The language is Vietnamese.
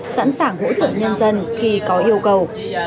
sẵn sàng hỗ trợ nhân dân khi có yêu cầu